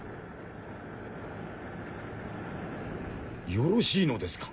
よろしいのですか？